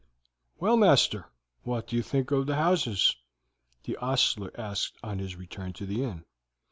"Well, master, what do you think of the houses?" the ostler asked on his return to the inn.